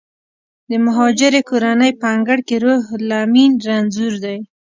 د مهاجرې کورنۍ په انګړ کې روح لامین رنځور دی